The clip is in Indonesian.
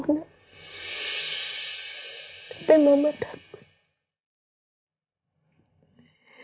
tapi mama takut